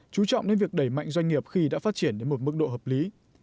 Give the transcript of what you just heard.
chú trọng đến việc đẩy mạnh doanh nghiệp khi đã phát triển đến một mức độ hợp lý